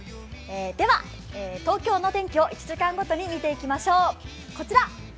では東京の天気を１週間ごとに見ていきましょう。